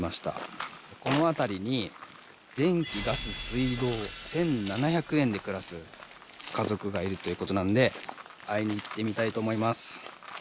この辺りに電気ガス水道１７００円で暮らす家族がいるという事なんで会いに行ってみたいと思います。